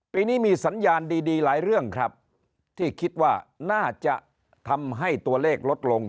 ปีนี้มีสัญญาณดีหลายเรื่องครับที่คิดว่าน่าจะทำให้ตัวเลขลดลง